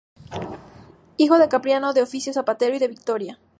Hijo de Cipriano, de oficio zapatero, y de Victoria.